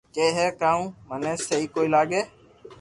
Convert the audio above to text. ڪي ھي ڪاو مني سھي ڪوئي لاگي